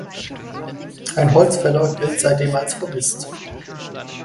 Ein Holzfäller gilt seitdem als vermisst.